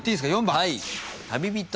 ４番。